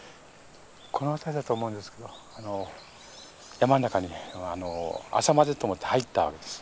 この辺りだと思うんですけど山の中に朝までと思って入ったわけです。